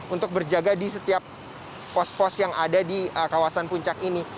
untuk berjaga di setiap pos pos yang ada di kawasan puncak ini